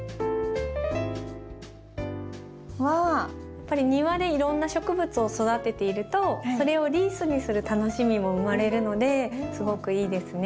やっぱり庭でいろんな植物を育てているとそれをリースにする楽しみも生まれるのですごくいいですね。